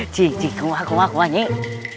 cik cik kumah kumah kumah nyik